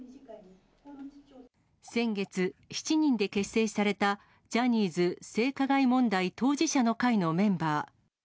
先月、７人で結成された、ジャニーズ性加害問題当事者の会のメンバー。